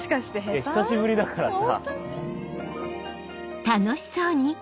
いや久しぶりだからさ。